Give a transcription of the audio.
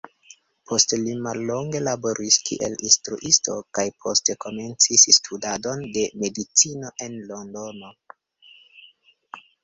Post li mallonge laboris kiel instruisto, kaj poste komencis studadon de medicino en Londono.